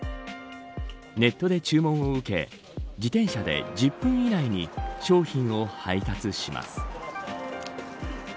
ネットで注文を受け自転車で１０分以内に商品を配達します。